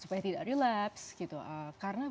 supaya tidak relapse